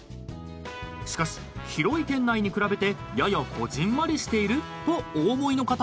［しかし広い店内に比べてややこぢんまりしているとお思いの方いませんか？］